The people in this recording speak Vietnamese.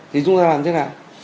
thì chúng ta làm thế nào